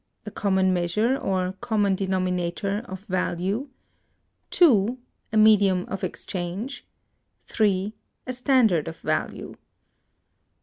A Common Measure, or Common Denominator, of Value. 2. A Medium of Exchange. 3. A Standard of Value.